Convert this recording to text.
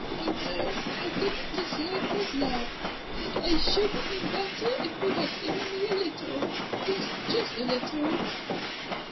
I know I did not deserve his love, but I should have been better if he had given me a little, yes, just a little."